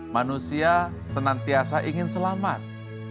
manusia senantiasa ingin selamat